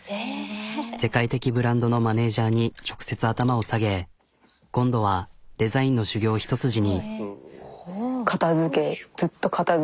世界的ブランドのマネジャーに直接頭を下げ今度はデザインの修業一筋に。